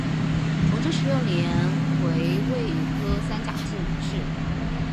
崇祯十六年癸未科三甲进士。